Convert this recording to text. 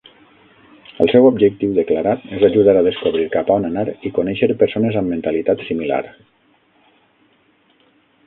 El seu objectiu declarat és ajudar a descobrir cap a on anar i conèixer persones amb mentalitat similar.